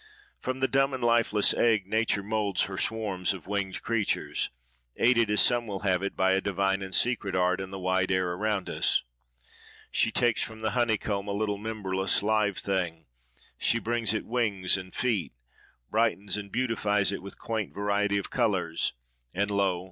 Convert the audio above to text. From the dumb and lifeless egg Nature moulds her swarms of winged creatures, aided, as some will have it, by a divine and secret art in the wide air around us. She takes from the honeycomb a little memberless live thing; she brings it wings and feet, brightens and beautifies it with quaint variety of colour:—and Lo!